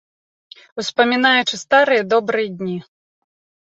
Успамінаючы старыя добрыя дні.